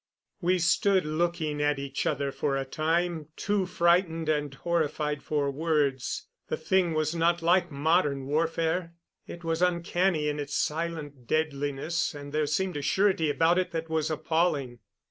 We stood looking at each other for a time, too frightened and horrified for words. The thing was not like modern warfare. It was uncanny in its silent deadliness, and there seemed a surety about it that was appalling.